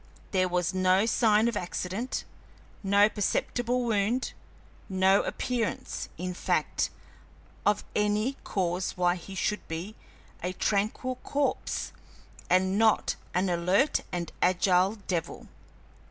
There was no sign of accident, no perceptible wound, no appearance, in fact, of any cause why he should be a tranquil corpse and not an alert and agile devil.